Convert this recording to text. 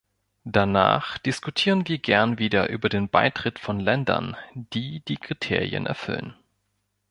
Danach diskutieren wir gern wieder über den Beitritt von Ländern, die die Kriterien erfüllen.